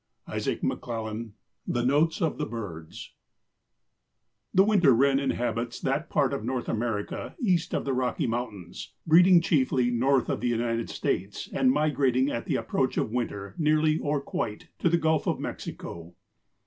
—Isaac McLellan, "The Notes of the Birds." The Winter Wren inhabits that part of North America east of the Rocky Mountains, breeding chiefly north of the United States and migrating at the approach of winter nearly or quite to the Gulf of Mexico.